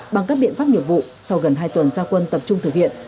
bằng các biện pháp nghiệp vụ sau gần hai tuần gia quân tập trung thực hiện